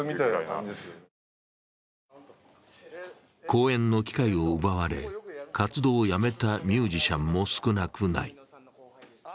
公演の機会を奪われ活動をやめたミュージシャンも少なくない。